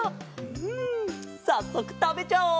んさっそくたべちゃおう！